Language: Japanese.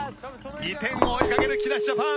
２点を追いかける木梨ジャパン。